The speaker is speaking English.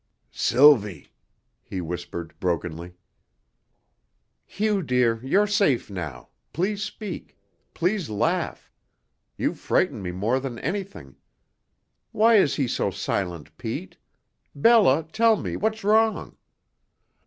"Sylvie," he whispered brokenly. "Hugh, dear, you're safe now; please speak; please laugh; you frighten me more than anything why is he so silent, Pete? Bella, tell me what's wrong?"